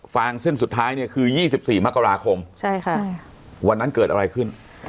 ฟางเส้นสุดท้ายเนี้ยคือยี่สิบสี่มกราคมใช่ค่ะวันนั้นเกิดอะไรขึ้น